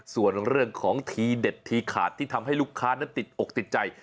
ส่วนเรื่องของทีเด็ดทีขาดที่ทำให้ลูกค้านั้นติดอกติดใจ